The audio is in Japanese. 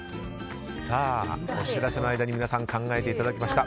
さあ、お知らせの間に皆さんに考えていただきました。